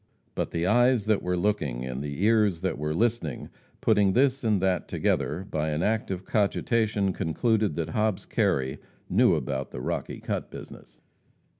But the eyes that were looking, and the ears that were listening, putting this and that together by an act of cogitation, concluded that Hobbs Kerry knew about the Rocky Cut business.